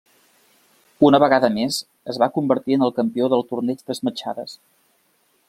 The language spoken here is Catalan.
Una vegada més es va convertir en el campió del torneig d'esmaixades.